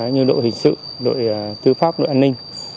như đội hình sự đội tư pháp đội an ninh